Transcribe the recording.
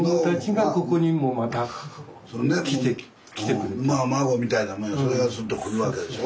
それでまあ孫みたいなもんやそれがスッと来るわけでしょ。